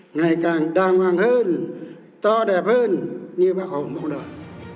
ngày càng đàng hoàng hơn to đẹp hơn như bà hồng mong đợi